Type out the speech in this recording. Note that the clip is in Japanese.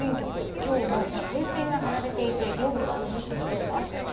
今日も規制線が張られていて業務は停止しています。